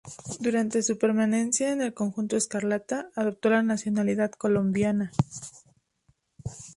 Durante su permanencia en el conjunto "escarlata", adoptó la nacionalidad colombiana.